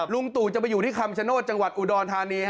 ลุงตู่จะไปอยู่ที่คำชโนธจังหวัดอุดรธานี